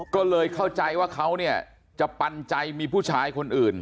ก็เลยเข้าใจว่าเขาเนี่ยจะปันใจมีผู้ชายคนอื่น